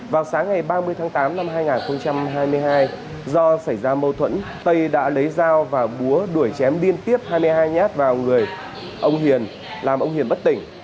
vào sáng ngày ba mươi tháng tám năm hai nghìn hai mươi hai do xảy ra mâu thuẫn tây đã lấy dao và búa đuổi chém liên tiếp hai mươi hai nhát vào người ông hiền làm ông hiền bất tỉnh